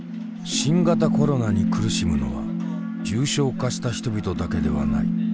新型コロナに苦しむのは重症化した人々だけではない。